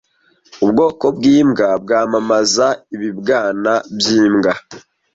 Ubwoko bwimbwa bwamamaza ibibwana byimbwa